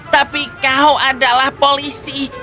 tapi kau adalah polisi